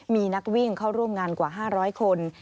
มีนักวิ่งเข้าร่วมงานกว่า๕๐๐คน